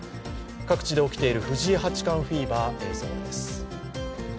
各地で起きている藤井八冠フィーバー、映像です。